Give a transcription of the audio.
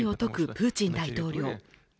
プーチン大統領